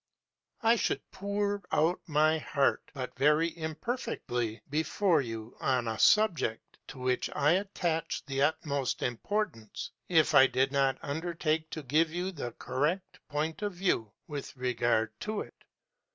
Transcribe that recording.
I should pour out my heart but very imperfectly before you, on a subject to which I attach the utmost importance, if I did not undertake to give you the correct point of view with regard to it.